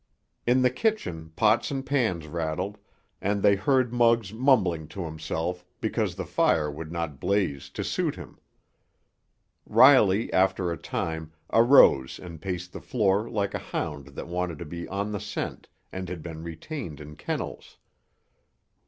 In the kitchen pots and pans rattled, and they heard Muggs mumbling to himself because the fire would not blaze to suit him. Riley, after a time, arose and paced the floor like a hound that wanted to be on the scent and had been retained in kennels.